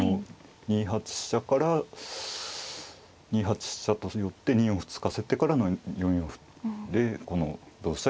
２八飛車から２八飛車と寄って２四歩突かせてからの４四歩でこの同飛車